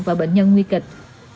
và bệnh nhân nguy kịch